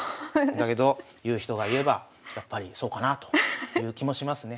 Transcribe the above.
だけど言う人が言えばやっぱりそうかなあという気もしますね。